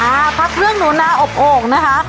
พักเรื่องหนูนาอบโอ่งนะคะ